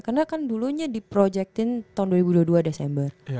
karena kan dulunya diprojectin tahun dua ribu dua puluh dua desember